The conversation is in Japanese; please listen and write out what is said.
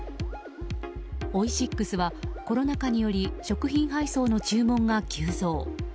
オイシックスはコロナ禍により食品配送の注文が急増。